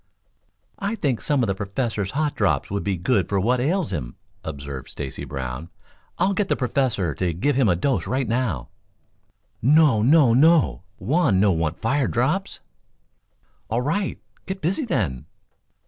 "I think some of the Professor's hot drops would be good for what ails him," observed Stacy Brown. "I'll get the Professor to give him a dose right now." "No, no, no! Juan no want fire drops." "All right; get busy, then."